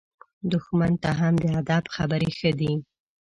دښمن ته هم د ادب خبرې ښه دي.